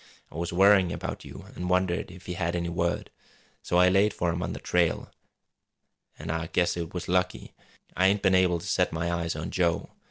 I was worrying about you an' wondered if he had any word. So I laid for him on the trail an' I guess it was lucky. I ain't been able to set my eyes on Joe.